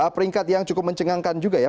peringkat yang cukup mencengangkan juga ya